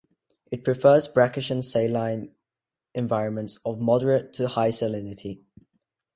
It prefers brackish and saline environments of moderate to high salinity.